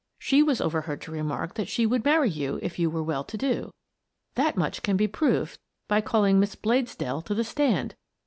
She was over heard to reply that she would marry you if you were well to do. That much can be proved by calling Miss Bladesdell to the stand."